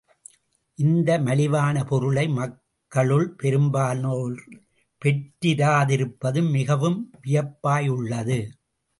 இந்த மலிவான பொருளை மக்களுள் பெரும்பாலார் பெற்றிராதிருப்பது மிகவும் வியப்பாயுள்ளது.